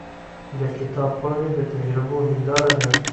د کتاب پاڼې د تجربو هنداره ده.